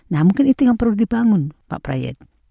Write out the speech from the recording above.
nah mungkin itu yang perlu dibangun pak prayet